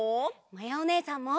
まやおねえさんも！